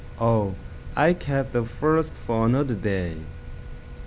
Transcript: Oh, I kept the first for another day!